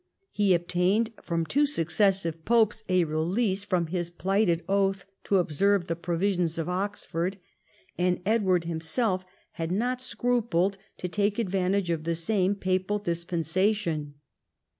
He obtained from two successive popes a release from his plighted oath to observe the Provisions of Oxford, and Edward himself had not scrupled to take advantage of the same papal dispensation.